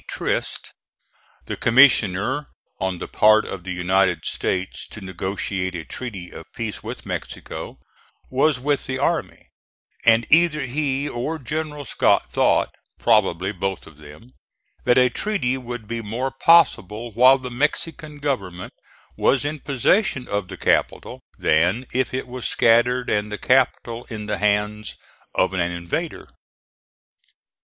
Trist, the commissioner on the part of the United States to negotiate a treaty of peace with Mexico, was with the army, and either he or General Scott thought probably both of them that a treaty would be more possible while the Mexican government was in possession of the capital than if it was scattered and the capital in the hands of an invader.